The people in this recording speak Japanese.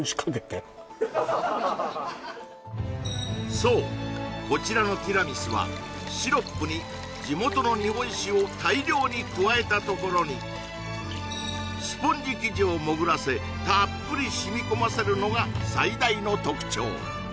そうこちらのティラミスはシロップに地元の日本酒を大量に加えたところにスポンジ生地を潜らせたっぷり染み込ませるのが最大の特徴